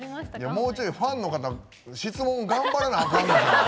もうちょいファンの方質問を頑張らなあかんで。